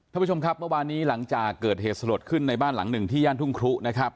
ท่านผู้ชมครับเมื่อวานนี้หลังจากเกิดเหตุสลดขึ้นในบ้านหลังหนึ่งที่ย่านทุ่งครุนะครับ